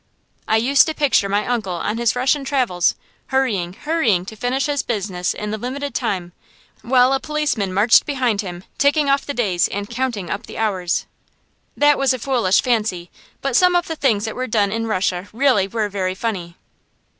I used to picture my uncle on his Russian travels, hurrying, hurrying to finish his business in the limited time; while a policeman marched behind him, ticking off the days and counting up the hours. That was a foolish fancy, but some of the things that were done in Russia really were very funny.